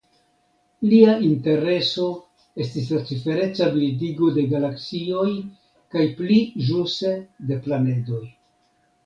Lia intereso estis la cifereca bildigo de galaksioj kaj pli ĵuse de planedoj.